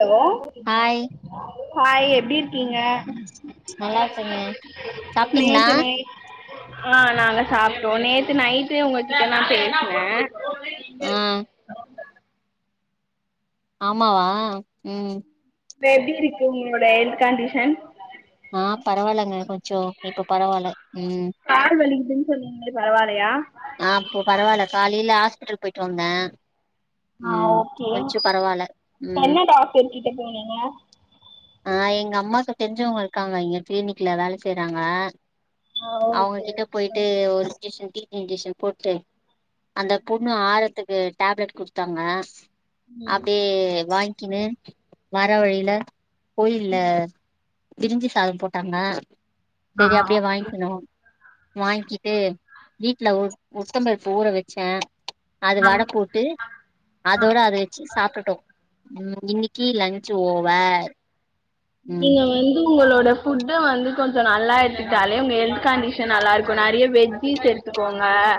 hello hi hi எப்டி இருக்கீங்க நல்லா இருக்கங்க சாப்ட்டீங்களா நேத்து நைட் ஆ நாங்க சாப்ட்டோ நேத்து நைட்டு ஒங்ககிட்ட நா பேசுனே ஆ [unintelligible] ஆமாவா ம் இப்ப எப்படிருக்கு உங்களோட ஹெல்த் கண்டிஷன் ஆ பரவால்லைங்க கொஞ்ச இப்ப பரவால்ல ம் கால் வலிக்குதுன்னு சொன்னீங்களே பரவால்லையா ஆ அப்போ பரவால்ல காலையில ஹாஸ்பிட்டல் போயிட்டு வந்தே ஆ ம் ஓகே கொஞ்சோ பரவாயில்ல ம் என்ன டாக்டர் கிட்ட போனிங்க ஆ எங்க அம்மாக்கு தெரிஞ்சவங்க இருக்காங்க இங்க கிளினிக்ல வேல செய்றாங்க ஆ அவங்க ஓகே கிட்ட ஓகே போயிட்டு ஒரு இன்ஜெக்ஷன் டி டி இன்ஜெக்ஷன் போட்டு அந்த புண்ணு ஆறத்துக்கு டேப்லெட் குடுத்தாங்க அப்டியே வாங்கிக்கினு வர வழியில கோயில்ல பிரிஞ்சு சாத போட்டாங்க சரி அப்படியே வாங்கிக்னோ வாங்க்கிட்டு வீட்ல உ உளுத்த பருப்பு ஊற வச்சே அது நாங்க வட போட்டு அதோட அத வச்சு சாப்ட்டுட்டோ ம் இன்னைக்கி லன்ச் ஓவர் ம் நீங்க வந்து உங்களோட் இந்த ஃபுட்டு வந்து கொஞ்ச நல்லா எடுத்துக்கிட்டாலே உங்க ஹெல்த் கண்டிஷன் நல்லாருக்கு நெறைய வெஜ்ஜிஸ் எடுத்துக்கோங்க ஆ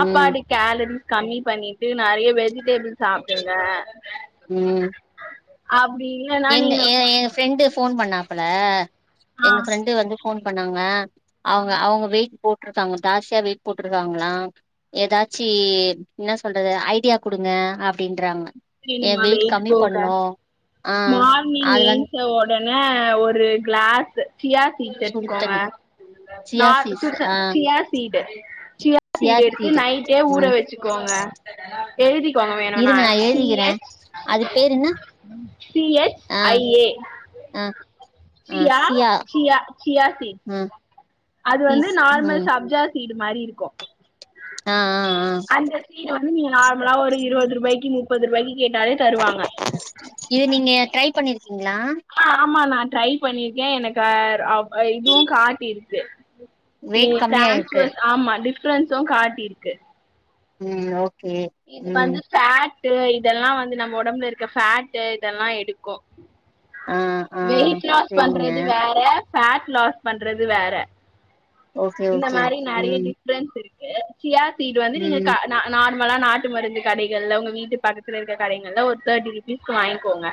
ம் கேலரிஸ் கம்மி பண்ணிட்ட நெறைய வெஜிடேபிள் சாப்டுங்க ம் அப்டி இல்லனா எங்க நீங்க எ எங்க ஃப்ரெண்டு போன் பண்ணாப்புல ஆ எங்க ஃப்ரெண்டு வந்து போன் பண்ணாங்க அவங்க அவங்க வெய்ட்டு் போட் போ இருக்காங்க தாசியா வெீட் போட்ருக்காங்களா ஏதாச்சி என்னா சொல்றது ஐ டியா கொடுங்க அ அப்படின்றாங்க ரியுமா வெயிட் போக ஆ மார்னிங் அது வந்து ஏஞ்ச ஒ ஒடனே ஒரு கிளாஸ் சியா சீட் எத்துக்கோங்க சுடுத்தண்ணி நா சியா சீஸ் சுச ஆ சியா சீடு சியா சீடு எடுத்து நைட்டே ஊற வச்சுக்குவாங்க ஆ ங்க வேணுன்னா இருங்க நா சி எழுதிக்கிறே ஹெச் அது பேரு என்ன சி எச் ஆ ஐ ஏ ஆ சியா சியா சியாசி சீட் ஆ அது வந்து ஈஸ் நார்மல் ம் சப்ஜா சீடு மாரி இருக்கு ஆ ஆ ஆ அந்த சீட் வந்து நீங்க நார்மலா ஒரு இருவது ரூபாய்க்கு முப்பது ரூபாய்க்கு கேட்டாலே தருவாங்க இது நீங்க டரை பண்ணிருக்கீங்களா ஆ ஆமா நா ட்ரை பண்ணிருக்கே எனக்கு ஆ அப் இதுவு காட்டிருக்கு ஏ வெயிட் கம்மியா இருக்கு ட்ரான்ஸ்வஸ் ஆமா டிஃபரன்ஸும் காட்டிருக்கு ம் ஓ இது வந்து சாட் டு இதெல்லா வந்து நம்ம உடம்புல இருக்க ஃபேட்டு இதெல்லா எடுக்கு ஆ ஆ வெயிட்லாஸ் சேரிங்க பண்றது வேற ஃபேட் லாஸ் பண்றது வேற ஓகே இந்த ஓகே மாரி நெறைய ம் டிஃப்ரென்ஸ் இருக்கு சியா சீடு வந்து நீங்க க ம் நா நார் மலா நாட்டு மருந்து கடைகள்ல உங்க வீட்டு பக்கத்துல இருக்க கடைங்கள்ல ஒரு தேர்ட்டி ருபீஸ்கு வாங்கிக்கோங்க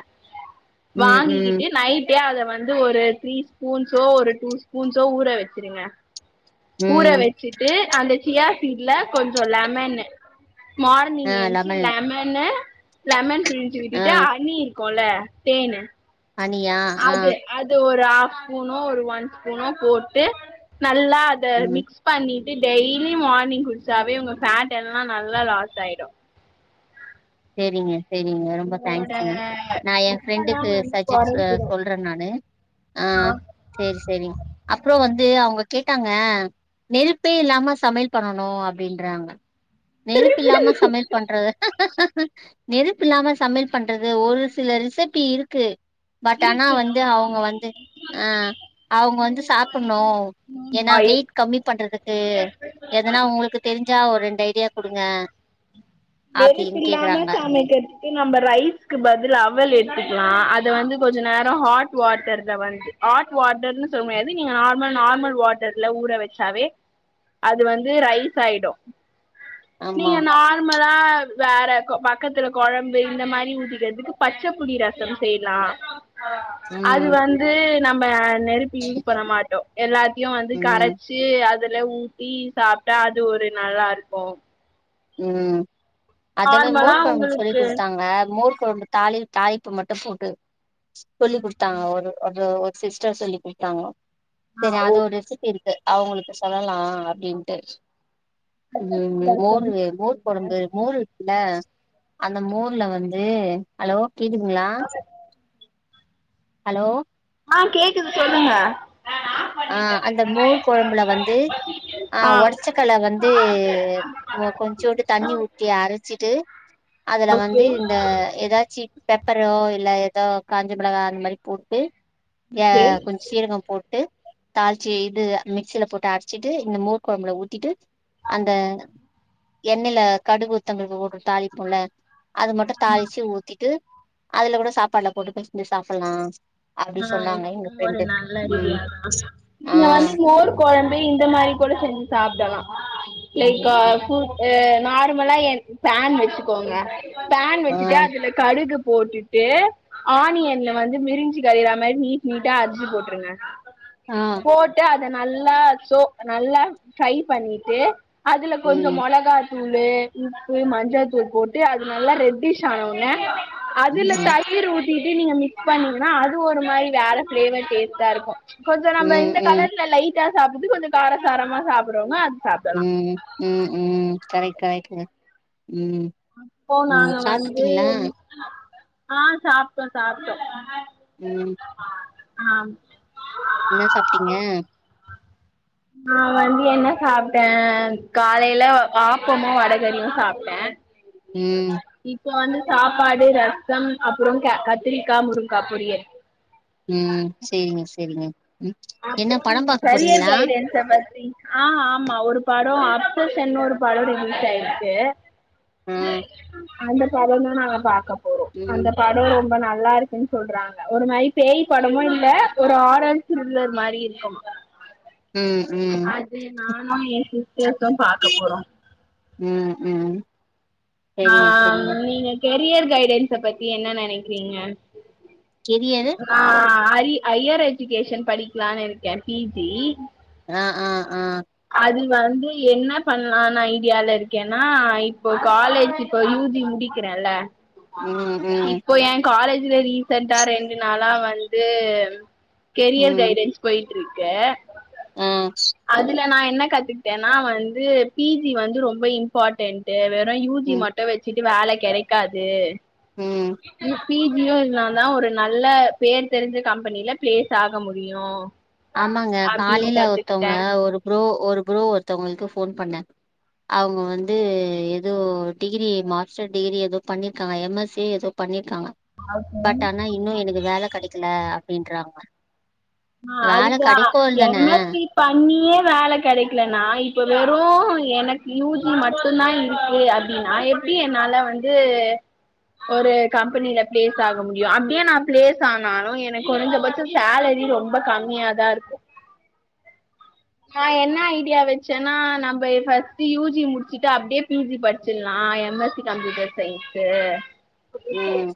ம் ம் வாங்கிக்கிட்டு நைட்டே அத வந்து ஒரு த்ரீ ஸ்பூன்ஸோ ஒரு டூ ஸ்பூன்ஸோ ஊற வச்சிருங்க ஊற ம் வச்சுட்டு அந்த சியாசீட்ல கொஞ்ச லமனு ஆ மார்னிங் ஏஞ்ச்சு லெமன் லெமன்னு லெமன் பிழிஞ்சு ஆ விட்டுட்டு அனி கொல தேனு அனியா ஆ அது அது ஒரு ஹாஃப் ஸ்பூனோ ஒரு ஒன் ஸ்பூனோ போட்டு நல்லா அத ம் மிக்ஸ் பண்ணி டெய்லி மார்னிங் குடிச்சாவே உங்க பேட் எல்லா நல்லா லாஸ் ஆயிடு சரிங்க சரிங்க ரொம்ப உங்களோட தேங்க்ஸ்ஷுங்க நா ஏ புக்கெல்லா ஃப்ரெண்டுக்கு வந்து சஜெஸ் கொறஞ்சிரு சொல்றே நானு ஆ சரி சரி அப்பறோ வந் து அவங்க கேட்டாங்க நெருப்பே இல்லாம சமையல் பண்ணணு அப்டின்றாங்க நெருப்பு இல்லாம சமையல் பண்றது நெருப்பு இல்லாம சமையல் பண்றது ஒரு சில ரிசபி இருக்கு பட் ஆனா வந்து அவங்க வந்து ஆ அவங்க வந்து சாப்பணு ஏன்னா ஆயில் வெயிட் கம்மி பண்றதுக்கு எதனா உங்களுக்கு தெரிஞ்சா ஒரு ரெண் ஐடியா கு டுங்க நெருப்பு அப்பீங் இல்லாம சமைக்கிறதுக்கு நம்ம ரைஸ்க்கு பதிலா அவள் எடுத்துக் அது வந்து கொஞ்ச நேர ஹாட் வாட்டர்ல வந்து ஹாட் வாட்டர்னு சொல்ல முடியாது நீங்க நார்மல் நார்மல் வாட்டர்ல ஊற வச்சாவே அது வந்து ரைஸ் ஆய்டு ஆமா நீங்க நா தா வேற பக்கத்துல கொழம்பு இந்த மாரி ஊதிக்கிறதுக்கு பச்சைப்புளி ரச செய்யலா அது ம் வந்து நம்ம நெருப்பி யூஸ் பண்ண மாட்டோ எல்லா த்தியு வந்து ம் கரைச்சு அதுல ஊத்தி சாப்ட்டா அது ஒரு நல்லாருக்கு ம் அத மாரி மோர் கொழம்பு சொல்லிக் உங்களுக்கு குடுத்தாங்க மோர் ம்பு தாளி தாளிப்ப மட்டு போட்டு சொல்லி குடுத்தாங்க ஒரு ஒரு ஒ சிஸ்டர் சொல்லி குடுத்தாங்க ஆ சரி ஓ அது ஒரு ரெசிபி அவங்களுக்கு சொல்லலா அப்படின்ட்டு பச்ச புளி ம் ஓர் ரசம் மோர் சொல்லுங்க கொழம்பு மோர் இருக்குல்ல அந்த மோர்ல வந்து ஹலோ கேதுங்களா ஹலோ ஆ கேக்குது சொல்லுங்க ஆ அந்த மோர் குழம்புல வந்து ஆ ஒடச்சக்கல வந்து கொஞ்சோண்டு தண்ணி ஊட்டி அரைச்சிட்டு அதுல ஓகே வந்து இந்த ஏதாச்சி பெப்பரோ இல்ல ஏதோ காஞ்சி மிளகாய அந்த மாரி போட்டு ஏ ஓகே கொஞ்ச சீரக போட்டு தாளிச்சி இது மிக்சியில போட்டு அரைச்சிட்டு இந்த மூர்க் குழம்புல ஊத்திட்டு அந்த எண்ணெயில கடு உளுந்தம் பருப்பு போட்டு தாளிப்பம்ல அது மட்டு தாளிச்சு ஊத்திட்டு அதுல கூட சாப்பாடுல போட்டு செஞ்சு சாப்பலா அப்டி சொன்னாங்க எங்க ஃப்ரெண்ட்டு ம் ஆ இங்க வந்து மோர் கொழம்பு இந்த மாரி கூட செஞ்சி சாப்டலா லைக் ம் அ நார்மலா எ பேன் வச்சுக்கோங்க பேன் ஆ வெச்சுட்டு அதுல கடுகு போட்டுட்டு ஆனியன்ல வந்து மிரஞ் இட்லிக்கு அரைக்கிறா மாரி நீட் நீட்டா அரி்சு போட்டுருங்க ஆ போட்டு அ அத நல்லா சோ நல்லா ட்ரை பண்ணிட்டு அதுல கொஞ்சம் ம் மொளகா தூளூ மஞ்சள்த்தூள் போட்டு அது நல்லா ரெட்டிஷ் ஆன உனே அதுல ம் தயிர் ஊட்டிட்டு நீங்க மிக்ஸ் பண்ணீங்கன்னா அது ஒரு மாரி வேற ஃபிளேவர் டேஸ்ட்டா இருக்கோ கொஞ்சம் நம்பீ ம் இந்த ம் கலர்ல லைட்டா சாப்ட்டு கொஞ்சம் காரசாரமா சாப்பிடனோனா ம் ம் ம் கரெக்ட் கரெக்ட் அப்போ நாங்க வந்து ஆ சாப்ட்டோம் சாப்ட்டோம் ம் ஆ என்ன சாப்ட்டீங்க நான் வந்து என்ன சாப்ட்டேன் காலையில ஆப்பமும் வடகரியும் சாப்ட்டே ம் இப்ப வந்து சாப்பாடு ரசம் அப்புறம் கே கத்திரிக்காய் முருங்காய் பொரியல் ம் செரிங்க செரிங்க ஆ ஆமா ஒரு படம் என்னோட படம் ரிலீஸ் ஆயிருக்கு ஆ அந்த படம் தான் நாங்க பாக்க போறோம் ம் அந்த படம் ரொம்ப நல் நல்லா இருக்குன்னு சொல்றாங்க ஒரு மாரி பேய் படமும் இல்ல ஒரு ஹாரர் ஒரு மாரி இருக்கோ ம் ம் ஆ என் சிஸ்டர் தான் பாக்க போறோ ம் ம் ஆ சேரிங்க சேரிங்க நீங்க கெரியர் கைடன்ஸ பத்தி என்ன நெனைக்கிறீங்க கெதி அது ஆ அரி ஹையர் எஜுகேஷன் படிக்கலான்னு இருக்கேன் பிஜி அ அ ஆ அது வந்து என்ன பண்ணலான ஐடியால இருக்கேன்னா இப்போ காலேஜ் இப்ப யூ ஜி க்கிறேல்ல ம் ம் இப்போ என் காலேஜ்ல ரீசண்டடா ரெண்டு நாளா வந்து கெரியர் கைடன்ஸ் போயிட்ருக்க ம் அதுல நா என்ன கத்துக்கிட்டேன்னா வந்து பிஜி வந்து ரொம்ப இம்பார்ட்டன்ட்டு அப்றோ யூஜி ம் மட்டு வெச்சுட்டு வேல கெடைக்காது ம் பிஜியு இர்ந்தா தா ஒரு நல்ல பேர் தெரிஞ்ச கம்பெனில ப்ளேஸ் ஆக முடியு ஆமாங்க அப்டின்னு காலைல கத்துக்கிட்டே ஒருத்தவங்க ஒரு ப்ரோ ஒரு ப்ரோ ஒர்த்தங்களுக்கு ஃபோன் பண்ண அவ்ங்க வந்து எதோ டிகிரி மாஸ்டர் டிகிரி எதோ பண்ணிருக்காங்க எம்எஸ்சி எதோ பண்ணி க்கா பட் ஆனா இன்னு எனக்கு வேல கெடைக்கல அப்டின்றாங்க ஆ வேல அதுதா கெடைக்கு தான எம்எஸ்சி பண்ணியே வேல கெடக்லனா இப்ப வெறு எனக்கு யூஜி மட்டு தா இருக்கு அப்டின்னா எப் டி என்னால வந்து ஒரு கம்பெனில பிளேஸ் ஆக முடியு அப்டியே நா ப்ளேஸ் ஆனாலு எனக்கு கொறஞ்சபட்ச சேலரி ரொம்ப ரொம்ப கம்மியாதா இருக்கு நா என்ன ஐடியா வச்சேன்னா நம்ம பஸ்ட்ட் யூஜி முடிச்சுட்டு அப்டியே பிஜி படிச்சிடலா ஆ எம்எஸ்சி கம்ப்யூட்டர் சயின்ஸு ம்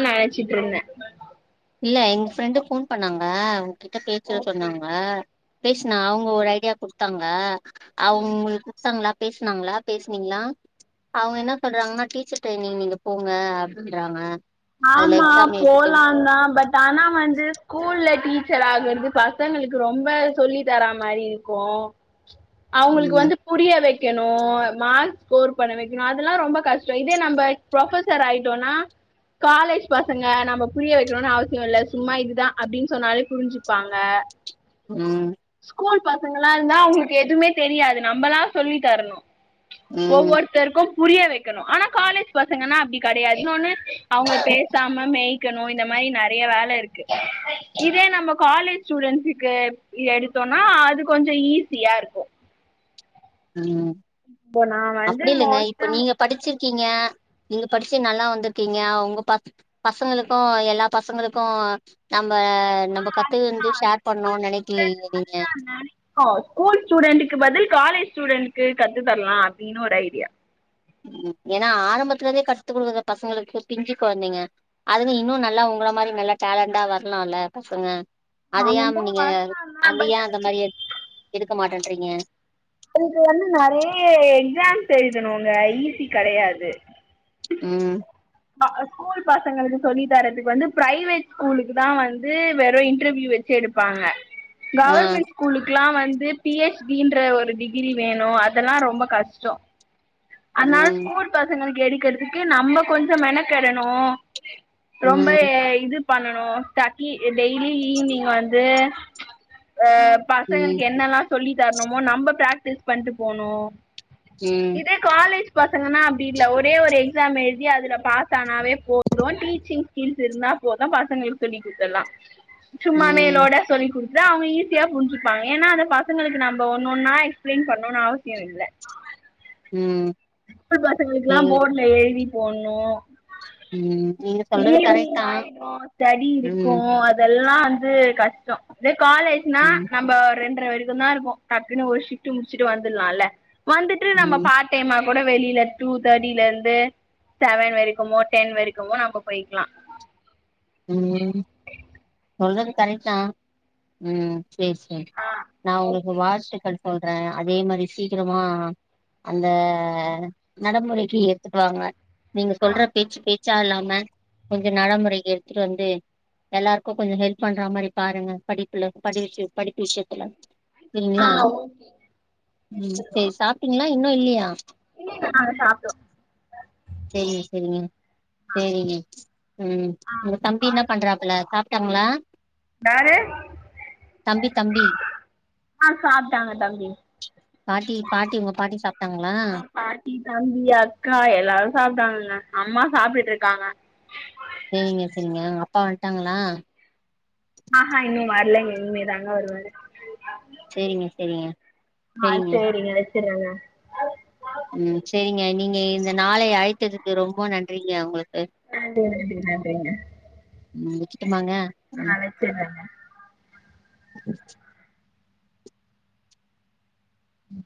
நெனச்சிட்ருந்த இல்ல எங் ஃப்ரெண்டு ஃபோன் பண்ணாங்க உங்கிட்ட பேசுற சொன்னாங்க பேஷ்னா அவ்ங்க ஒரு ஐடியா குடுத்தாங்க அவ்ங் உங்ளுக் குட்த்தாங்ளா பேஸ்னாங்ளா பேசனீங்ளா அவங்க என்ன சொல்றாங்னா டீச்சர் ட்ரைனிங் நீங்க போங்க அப் [inaudible] ன்றாங்க ஆமா போலா தா பட் ஆனா வந்து ஸ்கூல் ல டீச்சர் ஆகறது பசங்களுக்கு ரொம்ப சொல்லி தரா மாரி இருக்கு அவுங்களுக் ம் வந்து புரிய வெக் கனு மார்க்ஸ் ஸ்கோர் பண்ண வெக்கனு அதெல்லா ரொம்ப கஷ்டோ இதே நம்ப ப்ரொஃபசர் ஆயிட்டோன்னா காலேஜ் பசங்க நம்ம புரிய வெக்கனுனு அவசியோ இல்ல சும்மா இது தா அப்டின் சொன்னாலே புரிஞ்சிப்பாங்க ம் பசங்களா இருந்தா அவுங்ளுக்கு எதுமே தெரியாது நம்பல்லா சொல்லி தரனு ம் ஒவ்வொருத்தருக்கு புரிய வெக்கனு ஆனா காலேஜ் பசங்கன்னா அப்டி கெடையாது இன்னோன்னு அவுங்கள பேசாம மேய் க்கனு இந்த மாரி நெறைய வேல இருக்கு இதே நம்ம காலேஜ் ஸ்டூடன்ட்ஸுக்கு எடுத்தோ னா அது கொஞ்சோ ஈஸியா இருக்கு ம் இப்போ நா வந்து அப்டி இல்லைங்க இப்ப மோஸ்ட்டா நீங்க படிச்சிர் க்கீங்க நீங்க படிச்சு நல்லா வந்துர்க்கீங்க உங்க ப பசங்களுக்கு எல்லா பசங்களுக்கு ம் நம்ம ஆ நம்ம அதுதா கத்துகின்து ஷேர் பண்ணு ஸ்கூல் ஸ்டூடெண்ட் நெனைக்கிலயே நீங்க [inaudible] ஸ்கூல் ஸ்டூடென்ட்டுக்கு பதில் காலேஜ் ஸ்டூடன்க்கு கத்து தரலா அப்டினு ஒரு ஐடியா ஏனா ஆரம்பத்துலர்ந்தே கத்து குடுக்கற பசங்களுக்கு பிஞ்சு கொழந்தைங்க அதுங்க இன்னு நல்லா உங்கள மாரி நல்லா டேலண்டா வர்லால்ல பசங்க அத ஏம் நானந்தா நீங்க வரலாந்தா அத ஏ பட் அந்த மாரி எட் எடுக்க மாட்டன்றீங்க அதுக்கு வந்து நெறைய எக்ஸாம்ஸ் எழுதனுங்க ஈஸி கெடையாது ம் [inaudible] ஸ்கூல் ஸ்கூல் பசங்களுக் சொல்லி தரதுக் வந்து ப்ரைவேட் ஸ்கூலுக்கு தா வந்து வெறு இன்டர்வியூ வெச்சு எடுப்பாங்க ஆ கவர்மெண்ட் ஸ்கூலுக் லா வந்து பி ஹெச் டி ன்ற ஒரு டிகிரி வேணு அதெல்லா ரொம்ப கஷ்டோ அத்னால ம் ஸ்கூல் பசங்களுக்கு எடுக்கறதுக்கு நம்ம கொஞ்சோ மெனக்கெடனு ரொம்ப ம் எ இது பண்ணனு டக்கி எ டெய்லி ஈவி்னிங் வந்து அ ம் பசங்களுக் என்னல்லா சொல்லி தர்ணுமோ நம்ப பிராக்டிஸ் பண்ட்டு போனு ம் [inaudible] பசங்கன்னா அப்டி இல்ல ஒரே ஒரு எக்ஸாம் எழுதி அதுல பாஸ் ஆனாவே போது டீச்சிங் ஸ்கில்ஸ் இருந் தா போது பசங்களுக் சொல்லி குட்த்தர்லா ம் சும்மா ம் மேலோட சொல்லி் குடு த்தா அவங்க ஈஸியா புரிஞ்சிப்பாங்க ஏனா அந்த பசங்களுக்கு நம்ப ஒன்னொன்னா எக்ஸ்பிளைன் பண்ணுனு அவசியோ இல்ல ஆ ம் [inaudible] பசங்களுக்கெல்லா போர்டுல எழுதி போட்ணு ம் நீங்க சொல்றது கரெக்ட் ஈவினிங் தா ஆயிடு ஸ்டடி இருக்கு ம் அதெல்லா வந்து கஷ்டோ இதே காலேஜ்னா ம் நம்ப ரெண்ற வரைக்கு தா இருப்போ டக்குனு ஒரு ஷிஃப்ட்டு முடிச்சிட்டு வந்துர்லால்ல வந்துட்டு நம்ம ம் பார் டைமா கூட வெளில டூ தேட்டிலர்ந்து செவன் வரைக்குமோ டென் வரைக்குமோ நம்ப போய்க்கலா ம் சொல்றது கரெக்ட் தா ம் சேரி சேரி ஆ நா உங்ளுக்கு ஓகேங்க வாழ்த்துக்கள் சொல்றே அதே மாரி சீக்கிரமா அந்த நடமுறைக்கு எத்துட்டுவாங்க நீங்க ஆ சொல்ற பேச்சு பேச்சா இல்லாம கொஞ்ச நடமுறைக்கு எட்த்துட்டு வந்து எல்லாருக்கு கொஞ்சோ ஹெல்ப் பண்ற மாரி பாருங்க படிப்புல படிச்சு படிப்பு விஷ்யத்துல ஆ துங்களா ஓகே ம் சேரி சாப்ட்டீங்களா இன்னு இல்லியா இல்லல்ல நாங்க சாப்ட்டோ செரிங்க செரிங்க செரிங்க ம் உங்க தம்பி என்ன பண்றாப்புல சாப்ட்டாங்ளா வேரு தம்பி தம்பி ஆ சாப்ட்டாங்க தம்பி பாட்டி பாட்டி உங்க பாட்டி சாப்ட்டாங்களா ஆ பாட்டி தம்பி அக்கா எல்லா சாப்ட்டாங்க அம்மா சாப்ட்டுட்ருக்காங்க சரிங்க சரிங்க அப்பா வண்ட்டாங்களா இனமே தாங்க ஒரு ம [unintelligible] சரிங்க சரிங்க சரிங்க றாங்க சேரிங்க நீங்க இந்த நாளைைய அழைத்ததுக்கு ரொம்ப நன்றிங்க அவங்களுக் நன்றி நன்றி நன்றிங்க ம் விட்டுட்டோ ஆ வெச்சதுல்ல அஹ ம்